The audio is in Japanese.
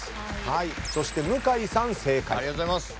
そして向井さん正解。